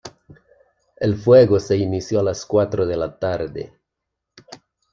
El fuego se inició a las cuatro de la tarde.